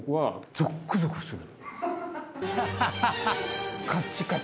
ゾックゾクする。